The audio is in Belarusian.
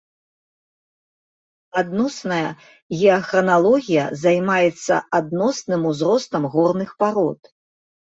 Адносная геахраналогія займаецца адносным узростам горных парод.